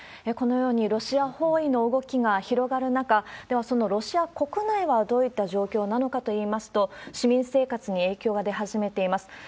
このように、ロシア包囲の動きが広がる中、では、そのロシア国内はどういった状況なのかといいますと、市民生活に影響が出始めています。